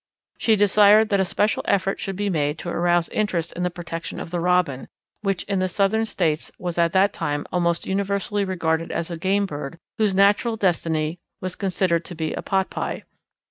She desired that a special effort should be made to arouse interest in the protection of the Robin, which in the Southern States was at that time almost universally regarded as a game bird whose natural destiny was considered to be a potpie.